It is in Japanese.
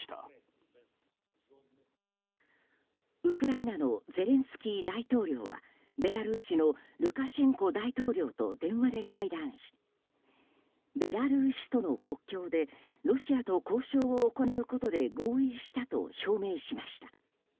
ウクライナのゼレンスキー大統領はベラルーシのルカシェンコ大統領と電話で会談しベラルーシとの国境でロシアと交渉を行うことで合意したと表明しました。